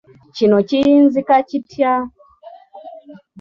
Kino kiyinzika kitya?